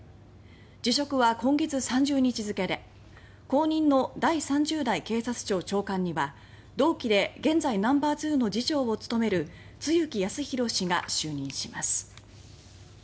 辞職は今月３０日付で後任の第３０代警察庁長官には同期で現在ナンバー２の次長を務める露木康浩氏が就任します。